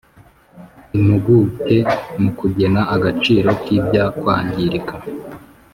impuguke mu kugena agaciro k’ibyakwangirika;